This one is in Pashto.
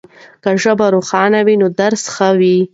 که ژبه روښانه وي نو درس ښه وي.